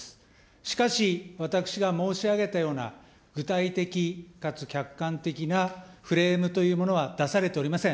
しかし、私が申し上げたような具体的、かつ客観的なフレームというものは出されておりません。